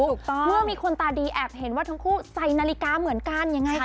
เมื่อมีคนตาดีแอบเห็นว่าทั้งคู่ใส่นาฬิกาเหมือนกันยังไงคะ